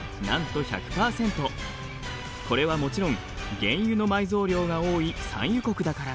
これはもちろん原油の埋蔵量が多い産油国だから。